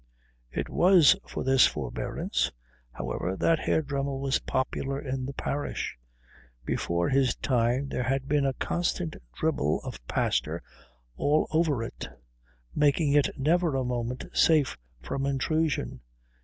It was for this forbearance, however, that Herr Dremmel was popular in the parish. Before his time there had been a constant dribble of pastor all over it, making it never a moment safe from intrusion.